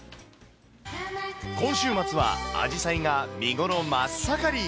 今週末は、アジサイが見頃真っ盛り。